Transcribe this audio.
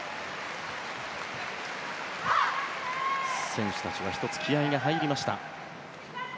選手たちが１つ気合が入りました。